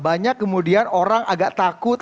banyak kemudian orang agak takut